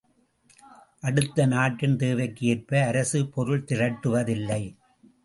அடுத்து, நாட்டின் தேவைக்கு ஏற்ப அரசு பொருள் திரட்டுவதில்லை.